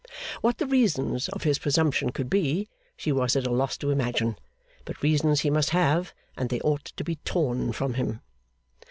What the reasons of his presumption could be, she was at a loss to imagine; but reasons he must have, and they ought to be torn from him.